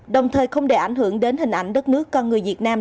đồng thời không để ảnh hưởng đến hình ảnh đất nước con người việt nam